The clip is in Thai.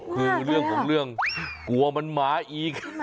คือเรื่องของเรื่องกลัวมันหมาอีก